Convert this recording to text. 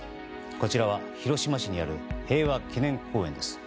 こちらは、広島市にある平和記念公園です。